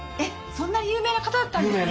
そんな有名な方だったんですね。